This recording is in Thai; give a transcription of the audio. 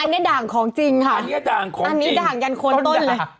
อันนี้ด่างของจริงค่ะอันนี้ด่างของจริงอันนี้ด่างกันคนต้นเลย